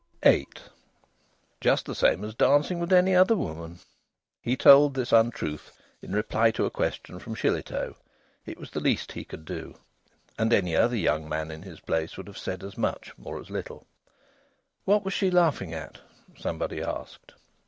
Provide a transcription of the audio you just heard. VIII "Just the same as dancing with any other woman!" He told this untruth in reply to a question from Shillitoe. It was the least he could do. And any other young man in his place would have said as much or as little. "What was she laughing at?" somebody asked.